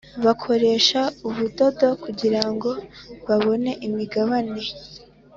bakoresha ubu ndodo kugira ngo babone imigabane